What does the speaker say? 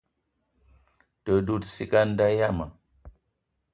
Te dout ciga a nda yiam.